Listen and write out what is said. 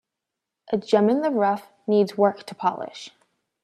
A gem in the rough needs work to polish.